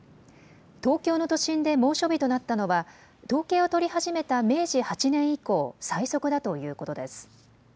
東京の都心で猛暑日となったのは統計を取り始めた明治８年以降、最速だということです。